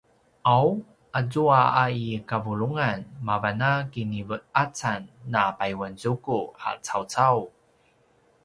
’aw azua a i kavulungan mavan a kinive’acan na payuanzuku a cawcau